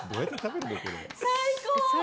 最高！